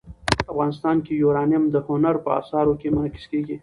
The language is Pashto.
افغانستان کې یورانیم د هنر په اثار کې منعکس کېږي.